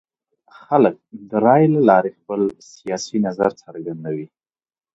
خلک د رایې له لارې خپل سیاسي نظر څرګندوي